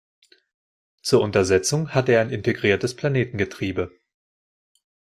Zur Untersetzung hatte er ein integriertes Planetengetriebe.